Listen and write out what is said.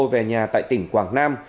về nhà tại tỉnh quảng nam